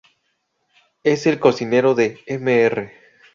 Es el cocinero de Mr.